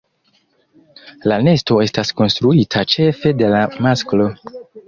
La nesto estas konstruita ĉefe de la masklo.